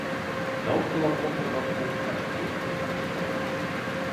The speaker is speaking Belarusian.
Даў кулаком па баку, аж косці затрашчалі.